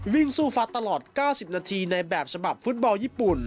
วิ่งสู้ฟัดตลอด๙๐นาทีในแบบฉบับฟุตบอลญี่ปุ่น